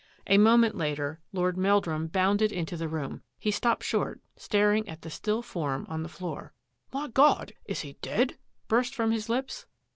A moment later Lord Meldrum bounded into the room. He stopped short, staring at the still form on the floor. " My God! He is dead? " burst from his lips.